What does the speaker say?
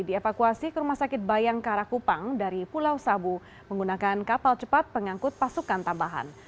dievakuasi ke rumah sakit bayangkara kupang dari pulau sabu menggunakan kapal cepat pengangkut pasukan tambahan